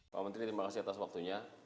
pak menteri terima kasih atas waktunya